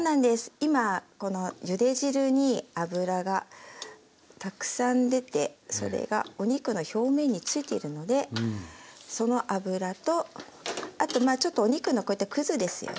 今このゆで汁に脂がたくさん出てそれがお肉の表面に付いているのでその脂とあとちょっとお肉のこういったくずですよね。